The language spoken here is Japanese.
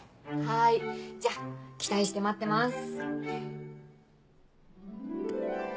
はいじゃ期待して待ってます。